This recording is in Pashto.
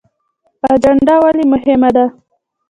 اجنډا ولې مهمه ده؟